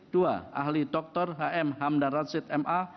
dua ahli dokter hm hamdan ransit ma